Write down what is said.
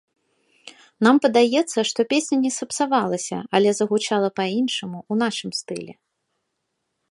Нам падаецца, што песня не сапсавалася, але загучала па-іншаму, у нашым стылі.